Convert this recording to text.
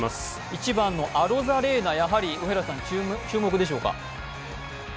１番のアロザレーナ、やはり注目でしょうか。